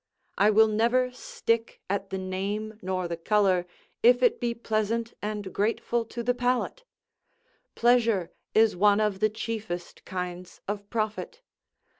I will never stick at the name nor the colour, if it be pleasant and grateful to the palate: pleasure is one of the chiefest kinds of profit.